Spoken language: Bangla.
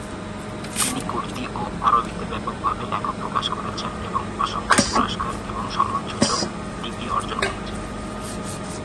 তিনি কুর্দি ও আরবিতে ব্যাপকভাবে লেখা প্রকাশ করেছেন এবং অসংখ্য পুরস্কার এবং সম্মানসূচক ডিগ্রি অর্জন করেছেন।